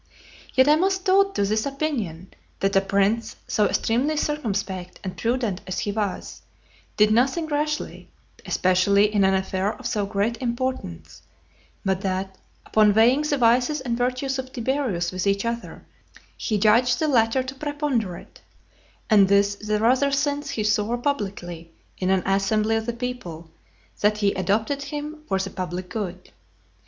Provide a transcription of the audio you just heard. Yet I must hold to this opinion, that a prince so extremely circumspect and prudent as he was, did nothing rashly, especially in an affair of so great importance; but that, upon weighing the vices and virtues of Tiberius with each other, he judged the latter to preponderate; and this the rather since he swore publicly, in an assembly of the people, that "he adopted him for the public good."